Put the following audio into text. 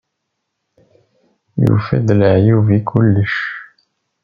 Yettaf-d leɛyub i kullec.